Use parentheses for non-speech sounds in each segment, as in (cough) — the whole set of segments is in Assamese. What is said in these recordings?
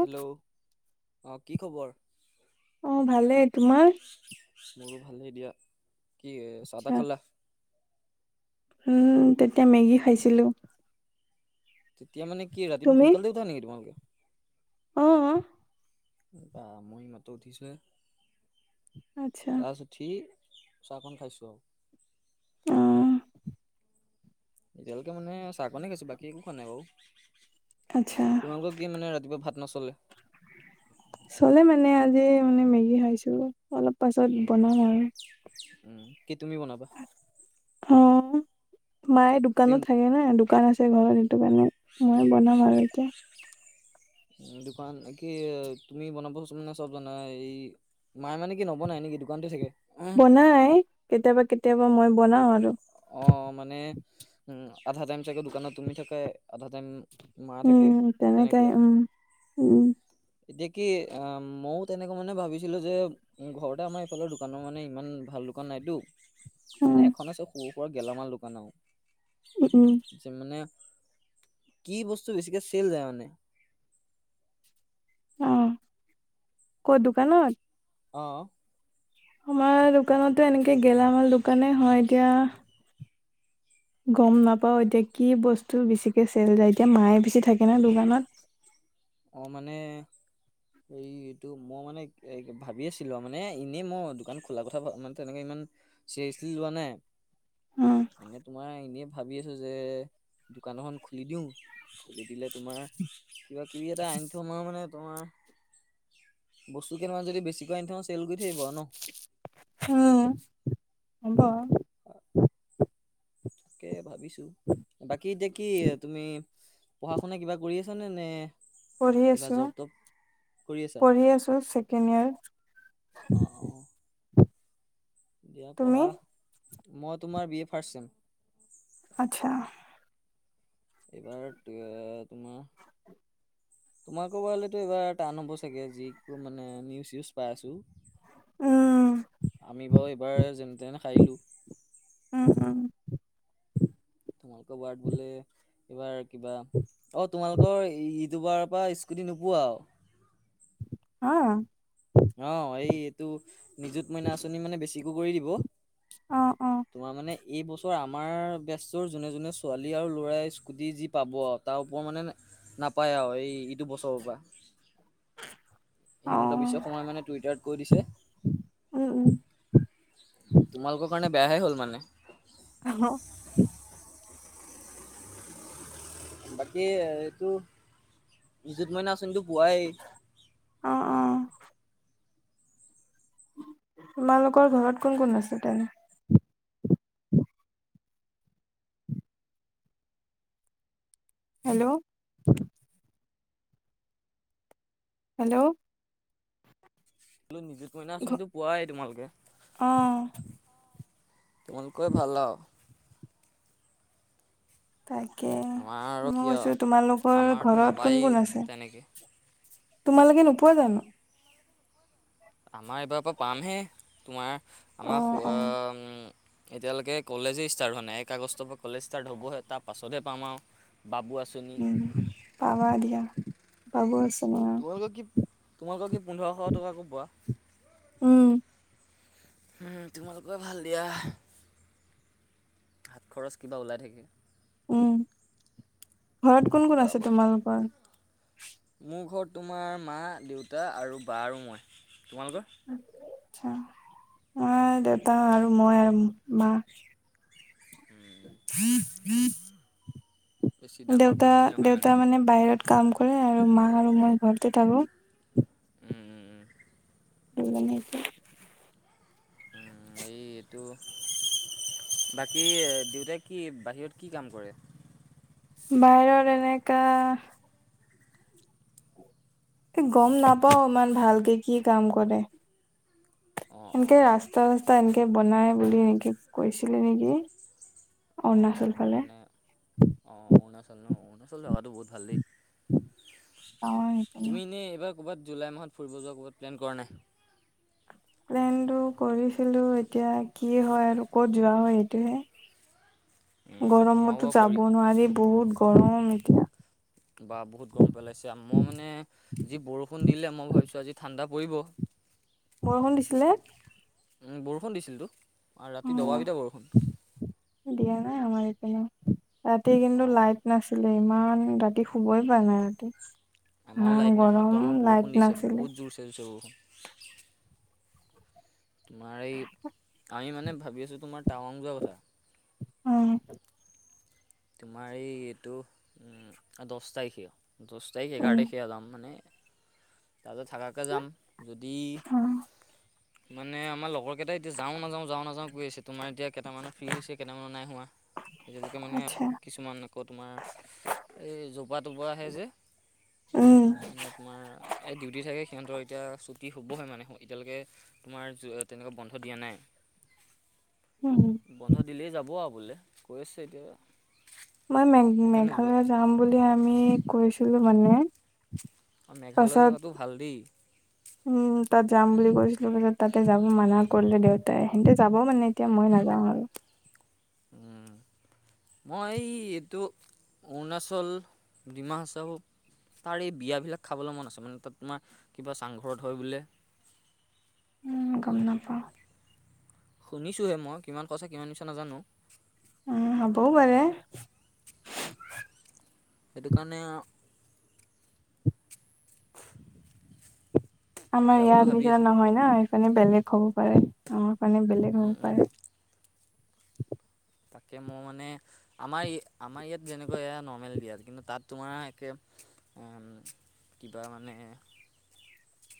হেল্ল' অঁ কি খবৰ? অ' ভালেই। তোমাৰ? মোৰো ভালই দিয়া। কি চাহ আচ্ছা তাহ খালা? উম তেতিয়া মেগী খাইছিলোঁ। তেতিয়া মানে কি ৰাতিপুৱা তুমি সোনাকালে উাঠা নেকি তোমোকে? অ'। বা মই এই মাত্ৰ উঠিছোহে। আচ্ছা তাৰপাছত উঠি চাহকণ খাইছোঁ আৰু উম। এতিয়ালৈ মানে চাহকানেই খাইছো বাকী একো খোৱা নাই বাৰু। আচ্ছা। তোমালোকৰ কি মানে ৰাতিপুৱা ভাত নচলে? চলে মানে আজি মানে মেগী খাইছো অলপ। পাছত উম, বনাম আৰু উম কি তুমি বনাবা? অ' মায়ে তুমি দোকানত থাকে না দোকান আছে ঘৰত। সেইটো কাৰণে মই বনাম আৰু এতিয়া। উ দোকান কি তুমি বনাবচোন মানে চব জানা? এই মায়ে মানে কি নবনাই নেকি? দোকানতে থাকে। বনাই কেতিয়াবা কেতিয়াবা মই বনাওঁ আৰু। অ' মানে উম আধা টাইম চাগে দোকানত তুমি থাকা, আধা টাইম মা থাকে উম তেনেকুৱা তেনেকাই আৰু উম, উম। এতিয়া কি অ' মইও তেনেকে মানে ভাবিছিলো যে ঘৰতে আমাৰ এইফালৰ দোকানৰ মানে ইমান ভাল দোকান নাইতো। মানে উম এখন আছে সৰু সুৰা গেলামাল দোকান আৰু। উম, উম। মানে কি বস্তু বেছিকে চেল যায় মানে? অ' কত দোকানত? অ'। আমাৰ দোকানতো এনেকে গেলামাল দোকানে হয় এতিয়া। গ'ম নাপাওঁ এতিয়া কি বস্তু বেছিকে চেল যায়, এতিয়া মায়ে বেছি থাকে ন দোকানত। অ' মানে এই এইটো মই মানে ভাবি আছিলো আৰু, মানে এনেই মই দোকান খোলা কথা মানে তেনেকে ইমান চিৰিয়াচলি লোৱা নাই। উম মানে তোমাৰ এনে ভাবি আছোঁ যে দোকান এখন খুলি দিওঁ, খুলি দিলে তোমাৰ কিবা কিবি এটা আনি থম আৰু মানে তোমাৰ বস্তু কেইটামান যদি বেছিকৈ আনি থও ন চেল গৈ থাকিব ন। উম, হব। (inaudible) তাকে ভাবিছো। বাকী এতিয়া কি তুমি পঢ়া শুনা কিবা কৰি আছানে নে? পঢ়ি কিবা আছো জব তব কৰি আছা পঢ়ি আছো ছেকেণ্ড ইয়াৰ। অ', অ'। দিয়া তুমি পঢ়া, মই তোমাৰ বি এ ফাৰ্ষ্ট চেম। আচ্ছা। এইবাৰ তোমাৰ তোমালোকৰ বাৰলেতো এইবাৰ টান হ'ব চাগে, যি মানে নিউজ চিউজ পাই আছো। উম আমি বাৰু এইবাৰ যেনে তেনে সাৰিলো। উম, উম। তোমালোকৰ ৱাৰ্ড, বোলে এইবাৰ কিবা অ, তোমালোকৰ ইদ দুবাৰৰ পৰা স্কুটি নোপোৱা আৰু। হা। অ, এই এইটো নিযুত মইনা আঁচনি মানে বেছিকে কৰি দিব। অ অ তোমাৰ মানে এই বছৰ আমাৰ বেচ যোনে যোনে ছোৱালী আৰু ল'ৰাই স্কুটি যি পাব তাৰ ওপৰত মানে নাপায় আৰু এই ইটো বছৰৰ পৰা অ হিমন্ত বিশ্ব শৰ্মাই মানে টুইটাৰত কৈ দিছে, উম উম তোমালোকৰ কাৰণে। বেয়াহে হ'ল মানে। (unintelligible) বাকী এইটো নিজুত মইনা আচনিটো পোৱাই। অ', অ, তোমালোকৰ ঘৰত কোন কোন আছে তেনে হেল্ল, হেল্ল, ব, নিজোট মইনা ঘ- আচনীটো পোৱাই তোমালোকে। অ তোমালোকে ভাল আৰু। তাকে আমাৰ আৰু মই কি আৰু কৈছোঁ, তোমালোকৰ আমাৰতো ঘৰত কোন নাপায়েই কোন আছে। তেনেকে তোমালোকে নোপোৱা জানো। আমাৰ এইবাৰ পৰা পামহে তোমাৰ অ আমাৰ। অ এতিয়ালৈকে কলেজেই ষ্টাৰ্ হোৱা নাই, এক আগষ্টৰ পৰা কলেজ ষ্টাৰ্ট হ'বহে তাৰ পাছতহে পাম আৰু বাবু আছো উম, পাৱ দিয়া বাবু আচনী। তোমালোকৰ কি তোমালোকৰ কি পোন্ধৰশ টকাকৈ পোৱা। উম তোমালোকে ভাল দিয়া। হাত খৰচ কিবা ওলাই থাকে। উম, ঘৰত কোন কোন আছে আমাৰ তোমালোকৰ। মোৰ ঘৰত তোমাৰ মা, দেউতা আৰু বা আৰু মই তোমালোকৰ? আচ্ছা। নাই দেউতা আৰু মই আৰু মা। উম, (inaudible) বেছি ডাঙৰ দেউতা, ফেমিলি নহয় দেউতা মানে বাহিৰত কাম কৰে আৰু মা আৰু মই ঘৰতে থাকো। উম, উম, উম, এই এই এইটো। বাকী দেউতাই কি বাহিৰত কি কাম কৰে? বাহিৰত এনেকে। গম, নাপাও ইমান ভালকে কি কাম কৰে। অঁ সনকে অঁ ৰাস্তা চ্ত চস্তা এনেকৈ বনায় বুলি এনেকৈ কৈছিলে নেকি অৰুণাচল ফালে। অ, অ, অৰুণাচল ন অৰুণাচল জেগাটো বহুত ভাল দেই গাঁৱৰ সেইপিনে তুমি এনেই এইবাৰ। ক'ৰবাত জুলাইাহ ফুৰি য ক'ৰবাত প্লেন কৰা নাই। প্লেন টো কৰিছিলো এতিয়া কি হয়, আৰু ক'ত যোৱা হয় সেইটোহে। আমাৰো গৰমতো বাৰু যাব কৰি নোৱাৰি বহুত গৰম এতিয়া। বা বহুত গৰম পেলাইছে মই মানে যি বৰষুণ দিলে মই ভাবিছোঁ আজি ঠাণ্ডা পৰিব। বৰষুণ দিছিলে। বৰষুণ দিছিলতো, অ ৰাতি দপালপিটা বৰষুণ। দিয়া নাই আমাৰ এইপানে, ৰাতি কিন্তু অঁ অঁ লাইট নাছিলে ইমান। ৰাতি শুব'ই পাই নাই ৰাতি ইমান গৰম লাইট নাছিলে। জোৰচে, জোৰচে বৰষুণ। তোমাৰ এই আমি মানে ভাবি আছোঁ, তোমাৰ টাৱাং যোৱা কথা। উম তোমাৰ এই এইটো দহ তাৰিখে দহ তাৰিখে এঘাৰ উম তাৰিখে যাম মানে তাৰপিছত থাকাকৈ যাম যদি অ মানে আমাৰ লগৰ কেইটা এতিয়া যাও নাযাওঁ যাও নযাও কৈ আছে তোমাৰ এতিয়া কেইটামানত ফ্ৰী হৈছে কেইটামানত নাই হোৱা এতিয়ালৈকে মানে আচ্ছা কিছুমান আকৌ তোমাৰ এই জোপা তৰপৰা আহে যে উম মানে তোমাৰ এই ডিউটি থাকে সিহঁতৰ এতিয়া ছুটি হ'বহ মানে এতিয়ালৈকে তোমাৰ তেনেকুৱা বন্ধ দিয়া নাই। (inaudible) বন্ধ দিলেই যাব আৰু বোলে কৈ আছে এতিয়া মই মে সেইকাৰণে যোৱা মেঘালয় যাম বুলি আমি কৈছিলো মানে অ', মেঘালয় পাছত জগাতটো ভাল দেই উম তাত যাম বুলি কৈছিলো তাৰছত তাতে যাব মানা কৰিলে দেউতাই। সিহঁতে যাব মানে এতিয়া, মই নাযাওঁ আৰু উম মই এই এইটো অৰুণাচল ডিমা হাচাও তাৰ এই বিয়াবিলাক খাবলৈ মন আছে মানে তাত তোমাৰ কিবা চাংঘৰত হয় বোলে। উম গম নাপাওঁ শুনিছোঁহে মই কিমান সঁচা কিমান মিছা নাজানোঁ। উম হবও পাৰে। সেইটো কাৰণে আৰু আমাৰ যাবলৈ ইয়াত ভাবি নিচিনা আছোঁ নহয় ন, সেইকাৰণে বেলেগ হ'ব পাৰে। আমাৰ কাৰণে বেলেগ উম, হ'ব উম, পাৰে। তাকে মই মানে আমাৰ আমাৰ ইয়াত যেনেকুৱা এয়া নৰ্মেল বিয়াত কিন্তু তাত তোমাৰ একে উম কিবা মানে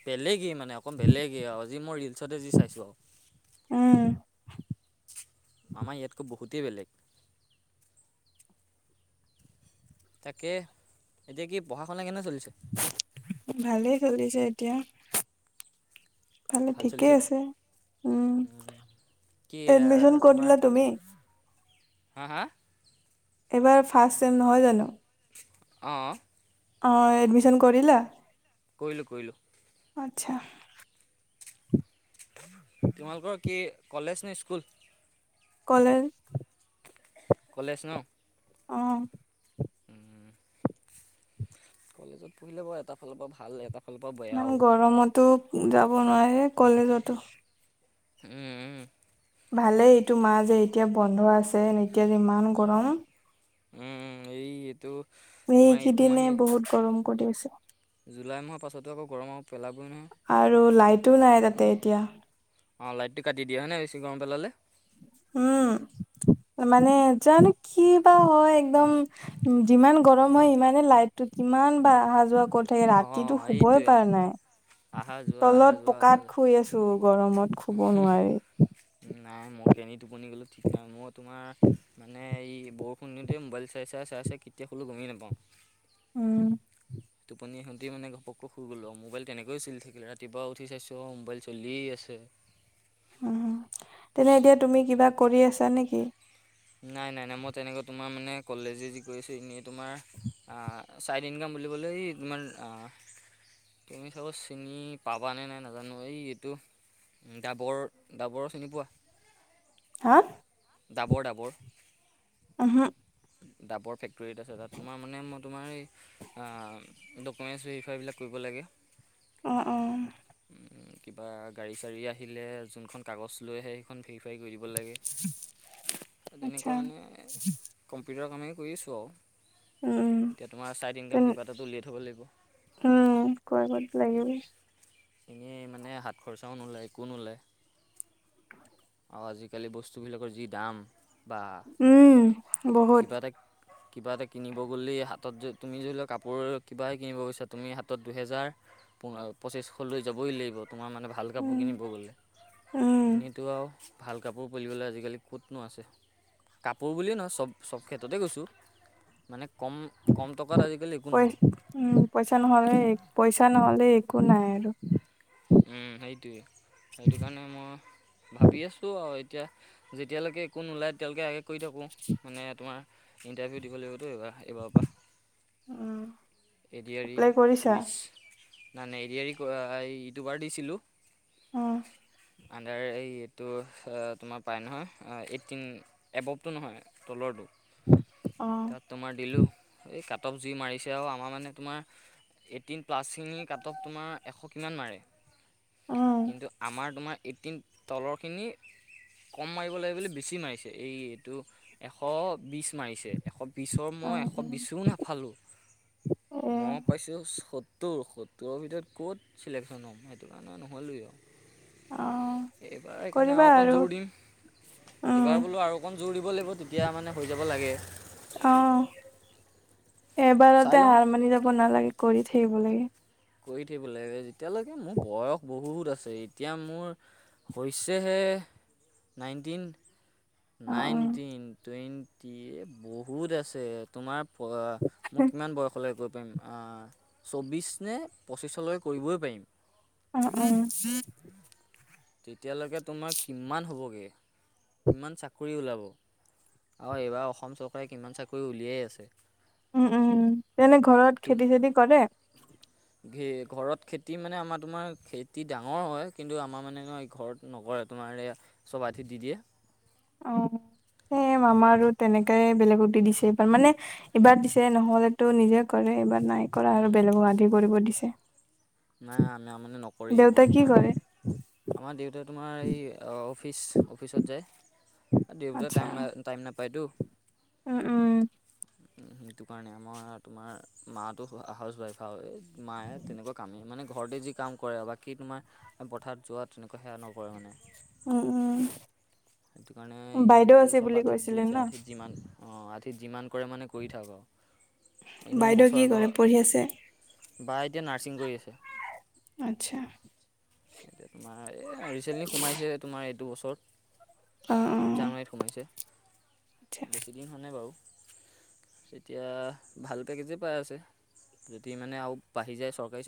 বেলেগে মানে অকণ বেলেগে আজি মই ৰিলচতে যি চাইছো আৰু উম। আমাৰ ইয়াতকৈ বহুতেই বেলেগ। তাকে, এতিয়া কি পঢ়া শুনা কেনে চলিছে। ভালেই চলিছে এতিয়া ভালে ভাল ঠিকেই চলিছে আছে উম কি এ, এডমিশন ক'ত তোমাৰ ললা তুমি? হা, হা, এইবাৰ ফাৰ্ষ্ট চেম নহয় জানোঁ? অ' অ', এডমিচন কৰিলা? কৰিলো কৰিলো আচ্ছা। তোমালোকৰ কি, কলেজ নে স্কুল কলেজ। কলেজ ন অ' উম কলেজত পঢ়িলে বাৰু এটা ফালৰ পৰা ভাল। এটা ফালৰ পৰা ইমান বেয়াও গৰমতো যাব নোৱাৰে কলেজতো উম উম ভালে তোমাৰ যে এতিয়া বন্ধ আছে। এতিয়া যে ইমান গৰম উম এইটো তোমাৰ এইটো এইকেইদনে মাহে বহুত গৰম কৰি আছে। জুলাই মাহৰ পাছতো আকৌ গৰম আৰু পেলাবই নহয়। আৰু লাইটো নাই তাতে এতিয়া। অ, লাইটো কাটি দিয়ে হয় নে বেছি গম পেলালে। উম, মানে জানো কি বা হয় একদম। যিমান গৰম হয় সিমানে লাইটটো কিমান বা অহা যোৱা কৰি ৰাতিটো অঁ শু'বই এইটোৱে পাৰ নাই। আহা যোৱা আহা তলত যোৱা আহা পকাত যোৱা শুই আছোঁ। তো, গৰমত শু'ব নোৱাৰি। নাই মই কেনি টোপনি গ'লো ঠিক নাই। মই তোমাৰ। মানে, এই বৰষুণ দিওতে মোবাইল চাই চাই চাই কেতিয়া শুলোঁ গমেই নাপাওঁ। উম, টোপনি শতি মানে ঘপক শুই গ'লো। মোবাইল তেনেকৈয় চলি থাকিল, ৰাতিপুৱা উঠি চাইছোঁ মোবাইল চলিয়েই আছে। এনে এতিয়া তুমি কিবা কৰি আছা নেকি? নাই, নাই, নাই। মই তেনেকৈ তোমাৰ মানে কলেজে যি কৰি আছোঁ, এনেই তোমাৰ। আ, চাইড ইনকাম বুলিবলৈ ইমান আ তুমি চব চিনি পাবা নে নাই নাজানো, এই এইটো ডাবৰ, ডাবৰৰ চিনি পোৱা? হা? ডাবৰ-ডাবৰ। উম, হ ডাবৰ ফেক্টৰী এটা আছে তাত, তোমাৰ মানে মই তোমাৰ এই আ, ডকুমেণ্টছ ভেৰিফাইবিলাক কৰিব লাগে। অ, অ, উম, কিবা গাড়ী-চাড়ী আহিলে, যোনখন কাগজ লৈ আহে সেইখন ভেৰিফাই কৰি দিব লাগে। (unintelligible) তেনেকুৱা মানে এ কম্পিউটাৰৰ কামেই কৰি আছোঁ আৰু। উম এতিয়া তোমাৰ ছাইড তেন ইনকাম কিবা এটাটো উলিয়ায় থ'ব লাগিব। কোৱা আকৌটো লাগিল। এনেই মানে হাত খৰচাও নোলায়, একো নোলায়। আৰু আজিকালি বস্তুবিলাকৰ যি দাম। বা উম, বহুত। কিবা এটা কিবা এটা কিনিব গ'লেই হাতত যে তুমি ধৰি লোৱা কাপোৰ, কিবাই কিনিব গৈছা তুমি হাতত দুহেজাৰ। পোন্ধৰ, পঁচিছশলৈ যাবই লাগিব। তোমাৰ মানে ভাল কাপোৰ উম কিনিব গ'লে। উম এনেতো আৰু ভাল কাপোৰ বুলিবলৈ আজিকালি। ক'তনো আছে, কাপোৰ বুলিয়েই নহয় চব, চব ক্ষেত্ৰতে কৈছোঁ। মানে কম, কম টকাত আজিকালি একো নহয় পইচা উম, পইচা নহ'লে পইচা নহ'লে একো নাই আৰু। উম, সেইটোৱেই। সেইটো কাৰণে মই ভাবি আছোঁ আৰু এতিয়া। যেতিয়ালৈকে একো নোলায়, তেতিয়ালৈকে এয়াকে কৰি থাকোঁ। মানে তোমাৰ ইণ্টাৰভিউ দিব লাগিবতো এইবাৰ, এইবাৰৰ পৰা। উম, A D R apply E, police কৰিছা নাই নাই এ ডি আৰ ই ক দুবাৰ দিছিলোঁ। উম, আণ্ডাৰ এইতটো তোমাৰ পায় নহয়, এইটিন। এববটো নহয় তলৰটো। অ, তাত তোমাৰ দিলোঁ। এই কাট অফ যি মাৰিছে আৰু তোমাৰ মানে তোমাৰ এইটিন প্লাছখিনি কাট অফ তোমাৰ এশ কিমান মাৰে। কিন্তু আমাৰ তোমাৰ এইটিন তলৰখিনি ক'ম মাৰিব লাগে বুলি বেছি মাৰিছে, এই এইটো এশ বিছ মাৰিছে। এশ বিছৰ অ মই এশ বিছো নেপালোঁ। মই পাইছোঁচ সত্তৰ, সত্তৰৰ ভিতৰত ক'ত চিলেকশ্যন হ'ম সেইটো কাৰণে নহ'লোৱেই আৰু। এইবাৰ সেইকাৰণে আৰু অকণ জোৰ দিম। এইবাৰ উম বোলো আৰু অকণ জোৰ দিব লাগিব, তেতিয়া মানে হৈ যাব লাগে। অ', চাই এবাৰতে লওঁ হাৰ মানি যাব নালাগে, কৰি থাকিব লাগে। কৰি থাকিব লাগে। যেতিয়ালৈকে মোৰ বয়স বহুত আছে। এতিয়া মোৰ হৈছেহে, নাইনটিন। অ অ নাইনটিন, টুৱেণ্টি এ বহুত আছে। তোমাৰ বয় অ' মই কিমান বয়সলৈ কৰিব পাৰিম? চৌববিছ নে পঁচিছলৈ কৰিবই পাৰিম। অ', অ'। তেতিয়ালৈকে তোমাৰ কিমান হ'বগে কিমান চাকৰি ওলাব? আৰু এইবাৰ অসম চৰকাৰে কিমান চাকৰি উলিয়াই আছে। উম, উম এনে ঘৰত তুম খেতি চেতি কৰে? ঘে ঘৰত খেতি মানে আমাৰ তোমাৰ খেতি ডাঙৰ হয়। কিন্তু আমাৰ মানে ঘৰত নকৰে, তোমাৰ এয়া চব আধি দি দিয়ে। অ' সেই আমাৰো তেনেকাই বেলেগক দি দিছে এইবাৰ। মানে এইবাৰ দিছে, নহ'লেতো নিজে কৰে, এইবাৰ নাই কৰা আৰু উম, বেলেগক আধি কৰিব দিছে। নাই আমাৰ মানে নকৰেই, দেউতাই আমাৰ কি কৰে তোমাৰ আমাৰ দেউতা তোমাৰ এই অফিচ অফিচত যায়। দেউতাই আচ্ছা টাইম না টাইম নাপায়তো। উম উম সেইটো কাৰণে, আমাৰ তোমাৰ মাটো হাউচৱাইফ আৰু, মায়ে তেনেকুৱা কাম মানে ঘৰতে যি কাম কৰে আৰু, বাকী তোমাৰ পথাৰত যোৱা তেনেকুৱা সেয়া নকৰে মানে। উম, উম। সেইটো কাৰণে বাইদেউ এইটো আছে চব বুলি আধিত কৈছিলে দিছে ন আধিত। যিমান অ' আধিত যিমান কৰে মানে কৰি থাক আৰু এনেও বাইদেউ কি বছৰেক কৰে পঢ়ি আছে বা এতিয়া নাৰ্ছিং কৰি আছে। আচ্ছা। এতিয়া তোমাৰ এই ৰিচেণ্টলি সোমাইছে তোমাৰ এইটো বছৰত। অ', অ'। জানুৱাৰীত সোমাইছে, আচ্ছা। বেছি দিন হোৱা নাই বাৰু। এতিয়া ভাল পেকেজেই পাই আছে। যদি মানে আৰু বাঢ়ি যায় চৰকাৰী চাক